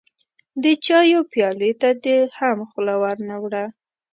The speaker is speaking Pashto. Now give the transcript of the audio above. د چايو پيالې ته دې هم خوله ور نه وړه.